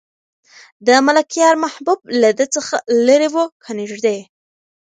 د ملکیار محبوب له ده څخه لرې و که نږدې؟